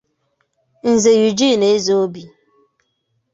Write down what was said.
Nze Eugene Ezeobi